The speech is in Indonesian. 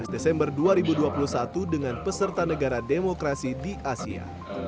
dua belas desember dua ribu dua puluh satu dengan peserta negara demokrasi di asia